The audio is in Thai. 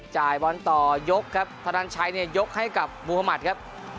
จ่ายบอลต่อยกครับธนันชัยเนี่ยยกให้กับมุธมัติครับ